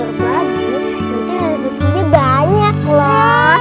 mungkin ada disini banyak loh